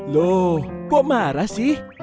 loh kok marah sih